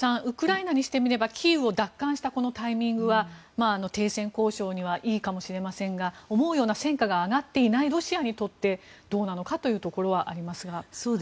ウクライナにしてみればキーウを奪還したこのタイミングは停戦交渉にはいいかもしれませんが思うような戦果が上がってないロシアにとってどうなのかというところはありますが。